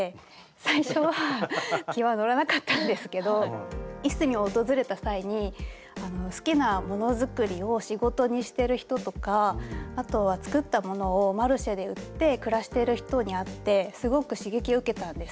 最初は気は乗らなかったんですけどいすみを訪れた際に好きなものづくりを仕事にしてる人とかあとは作ったものをマルシェで売って暮らしてる人に会ってすごく刺激を受けたんです。